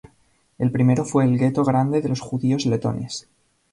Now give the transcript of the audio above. El primero fue el gueto grande de los judíos letones.